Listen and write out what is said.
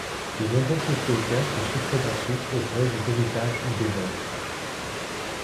De nombreux propriétaires se succèdent ensuite au gré des héritages ou des ventes.